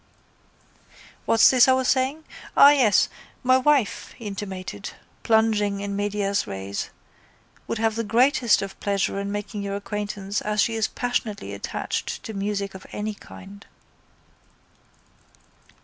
—What's this I was saying? Ah, yes! My wife, he intimated, plunging in medias res, would have the greatest of pleasure in making your acquaintance as she is passionately attached to music of any kind.